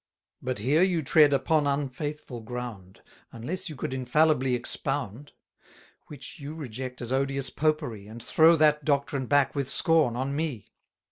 But here you tread upon unfaithful ground; Unless you could infallibly expound: Which you reject as odious Popery, And throw that doctrine back with scorn on me.